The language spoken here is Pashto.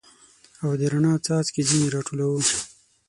او د رڼا څاڅکي ځیني را ټولوو